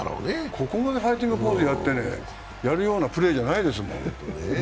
ここまでファイティングポーズとってやるようなプレーじゃないもん。